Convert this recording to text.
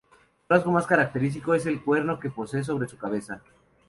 Su rasgo más característico es el cuerno que posee sobre su cabeza.